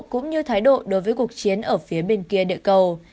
cũng như thái độ đối với cuộc chiến ở phía bên kia địa cầu